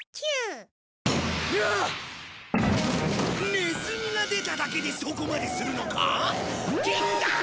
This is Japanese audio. ネズミが出ただけでそこまでするのか？